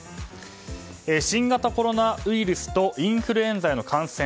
新型コロナウイルスとインフルエンザへの感染